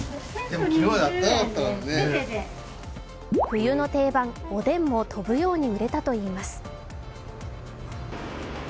冬の定番、おでんも飛ぶように売れたといいます。